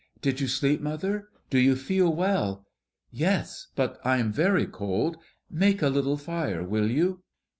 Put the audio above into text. "Did you sleep, mother? Do you feel well?" "Yes; but I am very cold. Make a little fire, will you?"